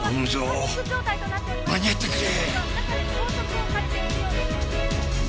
頼むぞ間に合ってくれ！